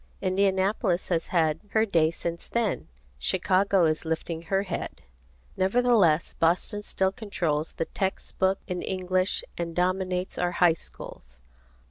Indianapolis has had her day since then, Chicago is lifting her head. Nevertheless Boston still controls the text book in English and dominates our high schools.